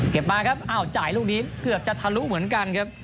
มาครับอ้าวจ่ายลูกนี้เกือบจะทะลุเหมือนกันครับ